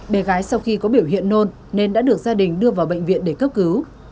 bé gái sau khi có biểu hiện nôn nên đã được gia đình đưa vào bệnh viện để cấp cứu